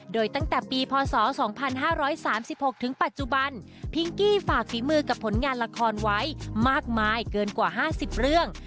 โดยตั้งแต่ปีพศ๒๕๓๖ถึงปัจจุบันพิงกี้ฝากฝีมือกับผลงานละครไว้มากมายเกินกว่า๕๐เรื่อง